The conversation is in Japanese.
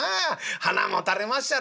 はなもたれまっしゃろ。